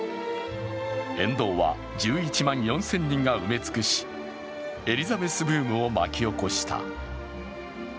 沿道は１１万４０００人が埋め尽くし、エリザベスブームを巻き起こした。